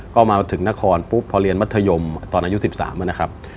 ก็มาถึงนครปุ๊บพอเรียนมัธยมตอนอายุ๑๓นะครับ